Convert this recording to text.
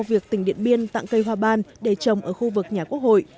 việc tỉnh điện biên tặng cây hoa ban để trồng ở khu vực nhà quốc hội